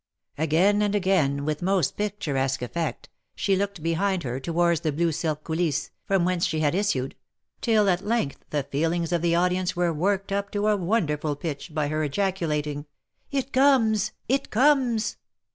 Again and again, with most picturesque effect, she looked behind her towards the blue silk coulisses, from whence she had issued, till, at length, the feel ings of the audience were worked up to a wonderful pitch, by her ejaculating —" It comes ! It comes